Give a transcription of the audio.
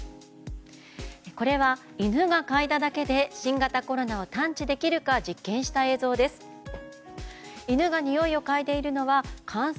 これは、犬がかいだだけで新型コロナを探知できるか実験した映像です。